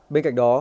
bên cạnh đó